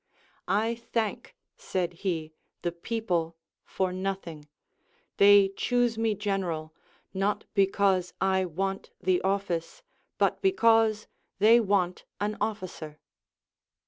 I thank, said he, the people for nothing ; they choose me general, not because I want the office, but because they want an officer.